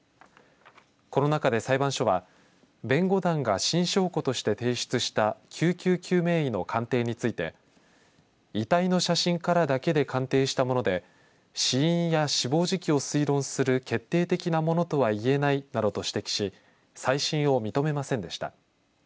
この中で裁判所は弁護団が新証拠として提出した救急救命の鑑定について遺体の写真からだけで鑑定したもので死因や死亡時期を推論する決定的なものとはいえないなどと指摘し再審を認めませんでした。